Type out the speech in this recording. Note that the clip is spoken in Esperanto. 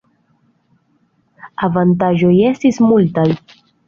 Avantaĝoj estis multaj.